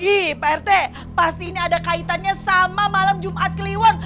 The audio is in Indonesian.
hii pak rt pasti ini ada kaitannya sama malam jumat keliuan